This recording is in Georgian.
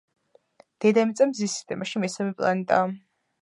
დედამიწა მზის სისტემაში მესამე პლანეტაა.